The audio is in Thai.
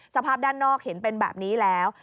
สภาพด้านนอกเห็นเป็นแบบนี้แล้ว